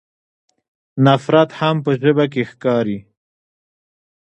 نفرت هم په ژبه کې ښکاري.